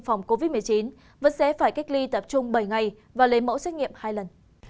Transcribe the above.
phòng covid một mươi chín vẫn sẽ phải cách ly tập trung bảy ngày và lấy mẫu xét nghiệm hai lần